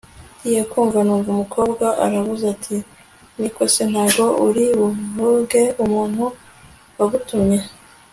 ngiye kumva numva umkobwa aravuze ati niko se ntago uri buvuge umuntu wagutumye